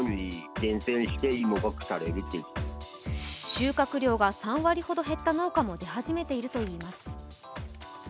収穫量が３割ほど減った農家も出始めているといいます。